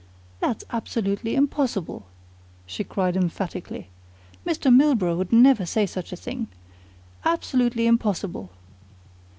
"That's absolutely impossible!" she cried emphatically. "Mr. Milburgh would never say such a thing. Absolutely impossible!"